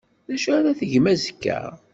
D acu ara tgem azekka?